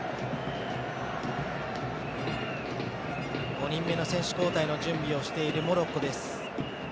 ５人目の選手交代の準備をしているモロッコ。